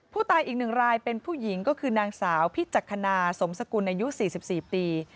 ผู้ตายอีก๑รายเป็นผู้หญิงก็คือนางสาวพิจักษณาสมสกุลอายุ๔๔ปี